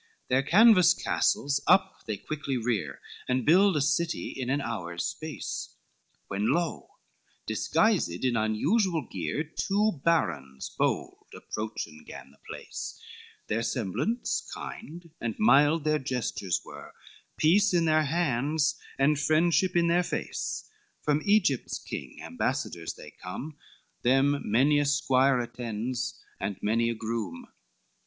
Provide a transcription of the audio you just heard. LVII Their canvas castles up they quickly rear, And build a city in an hour's space. When lo, disguised in unusual gear, Two barons bold approachen gan the place; Their semblance kind, and mild their gestures were, Peace in their hands, and friendship in their face, From Egypt's king ambassadors they come, Them many a squire attends, and many a groom.